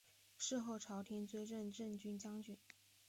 事后朝廷追赠镇军将军。